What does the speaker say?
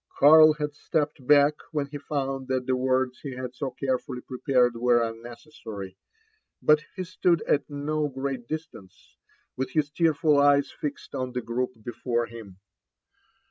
Karl bad stepped back when be Tound thai the words he had so carefully prepared were unnecessary ; but he stood at do great distance, with his tearful ^;es fixed on the group before him.